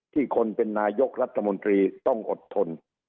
คนเป็นนายกรัฐมนตรีต้องอดทน